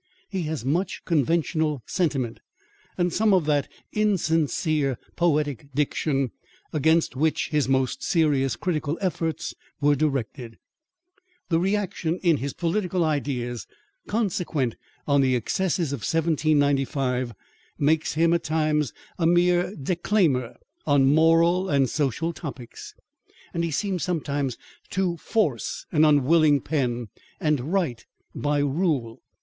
He has much conventional sentiment, and some of that insincere poetic diction, against which his most serious critical efforts were directed: the reaction in his political ideas, consequent on the excesses of 1795, makes him, at times, a mere declaimer on moral and social topics; and he seems, sometimes, to force an unwilling pen, and write by rule.